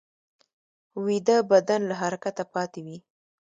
ویده بدن له حرکته پاتې وي